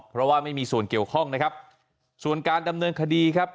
เพราะว่าไม่มีส่วนเกี่ยวข้องนะครับส่วนการดำเนินคดีครับ